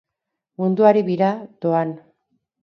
Munduari bira, doan!